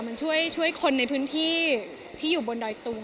มันช่วยคนในพื้นที่ที่อยู่บนดอยตุง